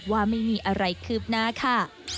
ว่าไม่มีอะไรคืบหน้าค่ะ